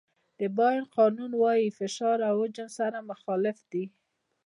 د بویل قانون وایي فشار او حجم سره مخالف دي.